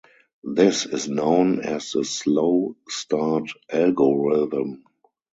This is known as the slow-start algorithm.